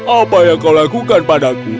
apa yang kau lakukan padaku